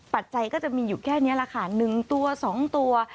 ปัจจัยก็จะมีอยู่แค่นี้แหละค่ะ๑ตัว๒ตัว